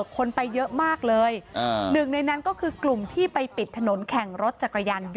คนไปเยอะมากเลยหนึ่งในนั้นก็คือกลุ่มที่ไปปิดถนนแข่งรถจักรยานยนต